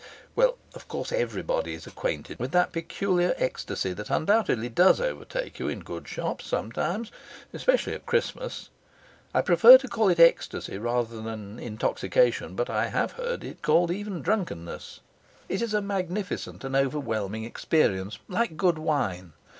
Well, of course everybody is acquainted with that peculiar ecstasy that undoubtedly does overtake you in good shops, sometimes, especially at Christmas. I prefer to call it ecstasy rather than intoxication, but I have heard it called even drunkenness. It is a magnificent and overwhelming experience, like a good wine.